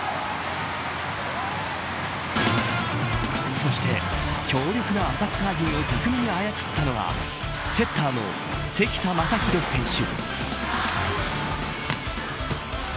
そして、強力なアタッカー陣を匠に操ったのはセッターの関田誠大選手。